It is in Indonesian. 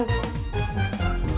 belum bisa bang